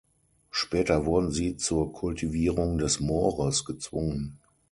Später wurden sie zur Kultivierung des Moores gezwungen.